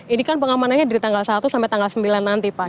ini kan pengamanannya dari tanggal satu sampai tanggal sembilan nanti pak